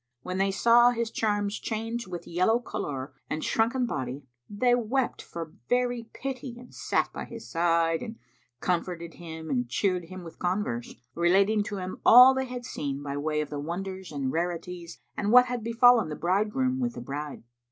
When they saw his charms changed with yellow colour and shrunken body, they wept for very pity and sat by his side and comforted him and cheered him with converse, relating to him all they had seen by the way of wonders and rarities and what had befallen the bridegroom with the bride.